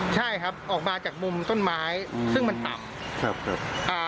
ใช่ครับออกมาจากมุมต้นไม้ซึ่งมันต่ำ